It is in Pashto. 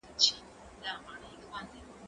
زه اوږده وخت کتابونه لوستل کوم؟